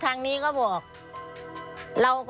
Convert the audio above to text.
อันดับสุดท้าย